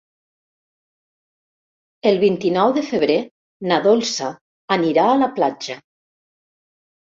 El vint-i-nou de febrer na Dolça anirà a la platja.